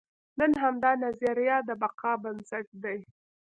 نن همدا نظریه د بقا بنسټ دی.